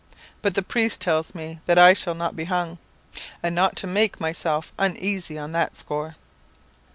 But the priest tells me that I shall not be hung, and not to make myself uneasy on that score."